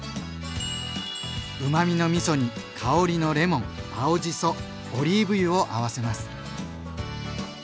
うまみのみそに香りのレモン青じそオリーブ油を合わせます。